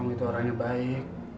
kamu itu orang yang baik